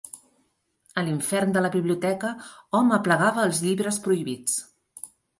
A l'infern de la biblioteca hom aplegava els llibres prohibits.